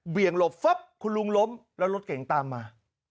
หลบคุณลุงล้มแล้วรถเก่งตามมา